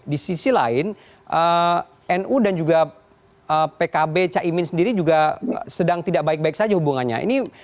di sisi lain nu dan juga pkb caimin sendiri juga sedang tidak baik baik saja hubungannya